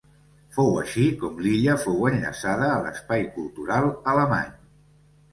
Fou així com l'illa fou enllaçada a l'espai cultural alemany.